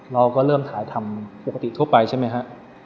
เราก็เริ่มถ่ายทำปกติทั่วไปใช่ไหมฮะ